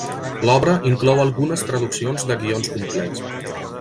L'obra inclou algunes traduccions de guions complets.